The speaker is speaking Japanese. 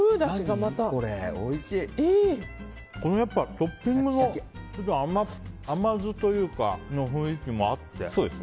トッピングの甘酢の雰囲気も合って。